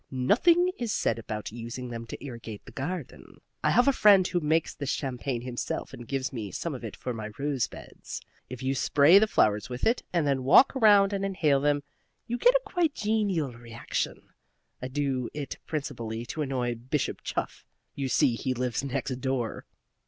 Nothing is said about using them to irrigate the garden. I have a friend who makes this champagne himself and gives me some of it for my rose beds. If you spray the flowers with it, and then walk round and inhale them, you get quite a genial reaction. I do it principally to annoy Bishop Chuff. You see, he lives next door."